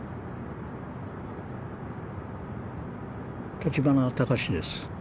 立花隆です。